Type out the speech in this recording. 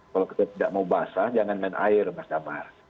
kalau kita tidak mau basah jangan main air mas damar